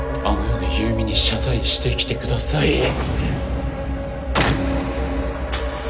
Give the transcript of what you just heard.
あの世で優美に謝罪してきてください。